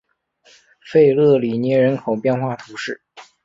弗勒里涅人口变化图示